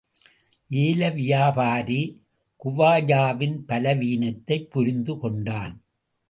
ஏல வியாபாரி, குவாஜாவின் பலவீனத்தைப் புரிந்து கொண்டான்.